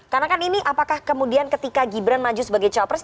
karena kan ini apakah kemudian ketika gibrant maju sebagai cawapres